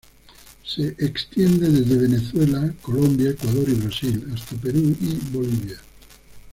Se extiende desde Venezuela, Colombia, Ecuador, y Brasil hasta Perú y Bolivia.